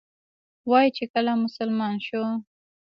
وایي چې کله مسلمان شو.